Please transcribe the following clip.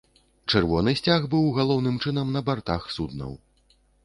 Чырвоны сцяг быў галоўным чынам на бартах суднаў.